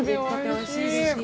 ◆おいしいですよね。